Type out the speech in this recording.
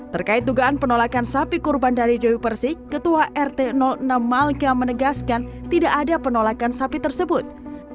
terkait dugaan penolakan sapi kurban dari dewi persik ketua rt enam malka menegaskan tidak ada penolakan sapi tersebut